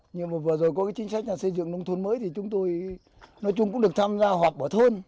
nhưng mà vừa rồi có cái chính sách xây dựng nông thôn mới thì chúng tôi nói chung cũng được tham gia hoặc bỏ thôn